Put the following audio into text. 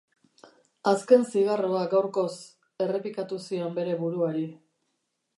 Azken zigarroa gaurkoz, errepikatu zion bere buruari.